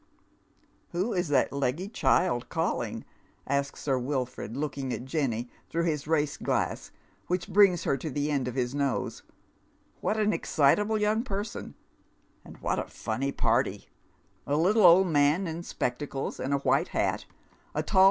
Who is that leggy child calling? " asks Sir Wilford, looking at Jeimy through bis race glass, which brings her to the end of bis nose. " What an excitable young person 1 And what a innny purty I A little old nmn in spectacles and a white iiat, a tall Town and County.